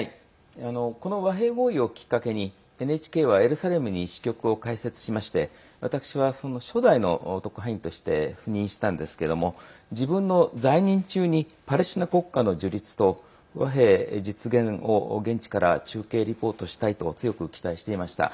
この和平合意をきっかけにＮＨＫはエルサレムに支局を開設しまして私は初代の特派員として赴任したんですけども自分の在任中にパレスチナ国家の樹立と和平実現を現地から中継リポートしたいと強く期待していました。